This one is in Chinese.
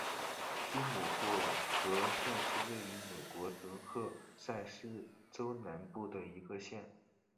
吉姆霍格县是位于美国德克萨斯州南部的一个县。